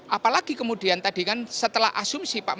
apalagi kemudian tadi kan setelah asumsi pak